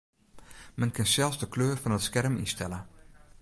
Men kin sels de kleur fan it skerm ynstelle.